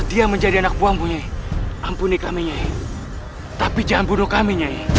dia menjadi anak buahmu ampuni kami tapi jangan bunuh kami